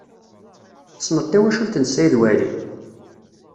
Tessneḍ tawacult n Saɛid Waɛli?